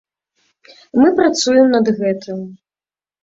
Мы працуем над гэтым.